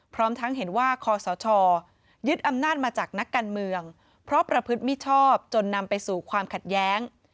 พร้อมทั้งเห็นว่าคอสชยึดอำนาจมาจากนักการเมืองเพราะประพฤติมิชอบจนนำไปสู่ความขัดแย้ง